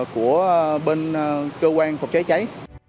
của bên cơ quan phòng cháy cháy